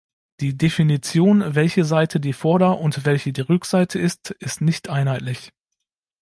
Die Definition, welche Seite die Vorder- und welche die Rückseite ist, ist nicht einheitlich.